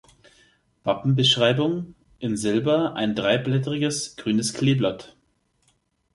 Wappenbeschreibung: In Silber ein dreiblättriges grünes Kleeblatt.